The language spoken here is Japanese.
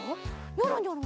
ニョロニョロ